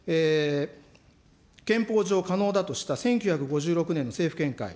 憲法上可能だとした１９５６年の政府見解。